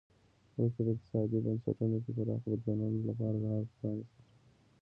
وروسته په اقتصادي بنسټونو کې پراخو بدلونونو لپاره لار پرانیستل شوه.